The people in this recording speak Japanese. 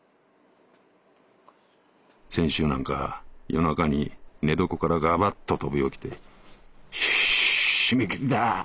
「先週なんか夜中に寝床からガバっと飛び起きて『し〆切がぁ！